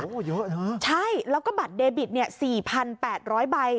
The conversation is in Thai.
โอ้โหเยอะนะใช่แล้วก็บัตรเดบิตเนี่ย๔๘๐๐ใบ